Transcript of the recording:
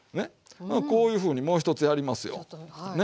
こういうふうにもう一つやりますよね。